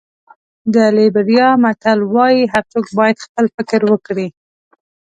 د لېبریا متل وایي هر څوک باید خپل فکر وکړي.